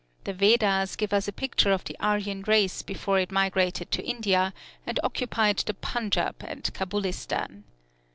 The Vedas give us a picture of the Aryan race before it migrated to India, and occupied the Punjab and Cabulistan.